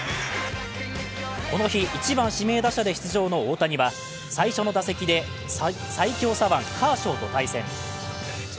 この日、１番・指名打者で出場の大谷は最初の打席で最強左腕・カーショーと対戦。